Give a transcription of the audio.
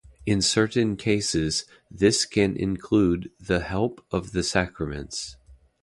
In certain cases, this can include the help of the sacraments.